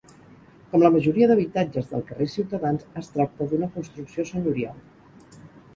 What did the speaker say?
Com la majoria d'habitatges del carrer Ciutadans, es tracta d'una construcció senyorial.